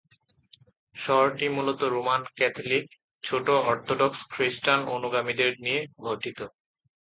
শহরটি মূলত Roman Catholic, ছোট অর্থোডক্স খ্রিস্টান অনুগামীদের নিয়ে গঠিত।